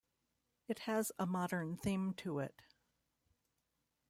It has a modern theme to it.